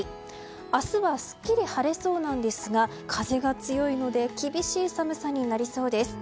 明日はすっきり晴れそうなんですが風が強いので厳しい寒さになりそうです。